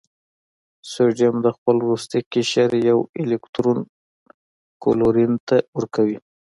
سوډیم د خپل وروستي قشر یو الکترون کلورین ته ورکوي.